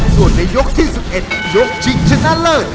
ส่วนในยกที่๑๑ยกชิงชนะเลิศ